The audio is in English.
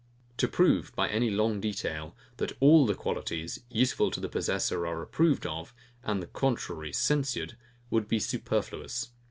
To prove, by any long detail, that all the qualities, useful to the possessor, are approved of, and the contrary censured, would be superfluous.